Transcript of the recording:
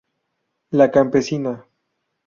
La Campesina